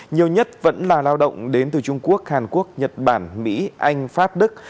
nhiều nhất vẫn là lao động đến từ trung quốc hàn quốc nhật bản mỹ anh pháp đức